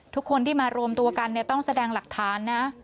ทุกคนที่มารวมตัวกันต้องแสดงหลักฐานนะ